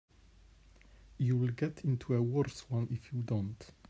You'll get into a worse one if you don't.